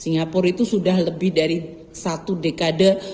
singapura itu sudah lebih dari satu dekade